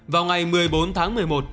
vào ngày một mươi bốn tháng một mươi một